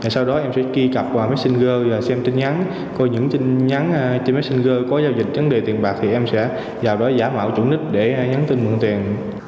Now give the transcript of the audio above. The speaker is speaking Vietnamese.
sau đó em sẽ ghi cặp qua messenger và xem tin nhắn có những tin nhắn trên messenger có giao dịch vấn đề tiền bạc thì em sẽ vào đó giả mạo chủ ních để nhắn tin mượn tiền